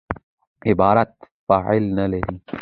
عبارت فاعل نه لري.